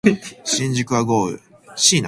新宿は豪雨